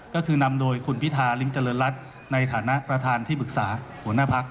ก็คือนำโดยคุณพิธาริมเจริญรัฐในฐานะประธานที่ปรึกษาหัวหน้าพัก